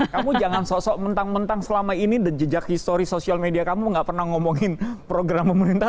kamu jangan sosok mentang mentang selama ini dan jejak histori sosial media kamu gak pernah ngomongin program pemerintah